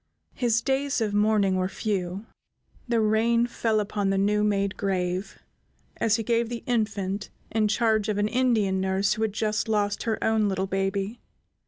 His days of mourning were few. The rain fell upon the new made grave as he gave the infant in charge of an Indian nurse who had just lost her own little baby.